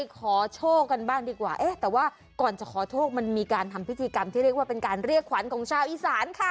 ขอโชคกันบ้างดีกว่าเอ๊ะแต่ว่าก่อนจะขอโชคมันมีการทำพิธีกรรมที่เรียกว่าเป็นการเรียกขวัญของชาวอีสานค่ะ